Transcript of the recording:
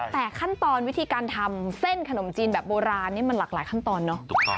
แต่ขั้นตอนวิธีการทำเส้นขนมจีนแบบโบราณนี่มันหลากหลายขั้นตอนเนอะ